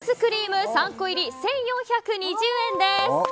シースクリーム３個入り１４２０円です。